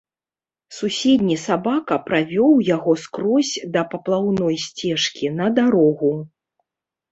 Суседні сабака правёў яго скрозь да паплаўной сцежкі на дарогу.